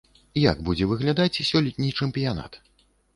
Як будзе выглядаць сёлетні чэмпіянат?